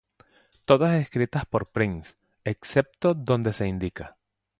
Todas escritas por Prince, excepto donde se indica.